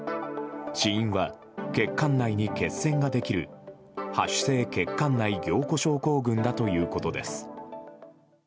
死因は、血管内に血栓ができる播種性血管内凝固症候群だということです。